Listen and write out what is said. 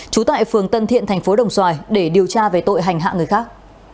trú tại phường tân thiện tp đồng xoài để điều tra về tội hành hạ người khác